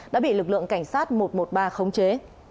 đã bị lực lượng cảnh sát một trăm một mươi ba khống chế